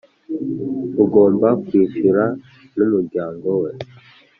ugomba kwishyura n’ umuryango we